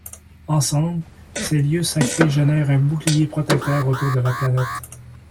Ensemble, ces lieux sacrés génèrent un bouclier protecteur autour de la planète.